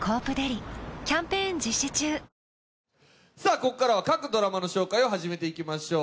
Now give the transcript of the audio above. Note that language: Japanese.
ここからは各ドラマの紹介を始めていきましょう。